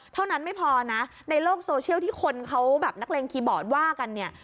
เท่านั้นไม่พอนะในโลกโซเชียลที่คนเขาแบบนักเลงคีย์บอร์ดว่ากันเนี่ย